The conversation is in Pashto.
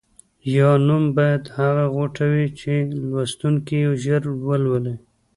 یا نوم باید هغه غوټه وي چې لوستونکی یې ژر ولولي.